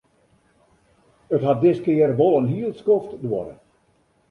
It hat diskear wol in hiel skoft duorre.